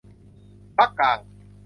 พรรคกลาง